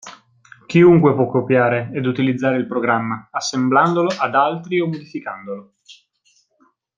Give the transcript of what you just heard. Chiunque può copiare ed utilizzare il programma, assemblandolo ad altri o modificandolo.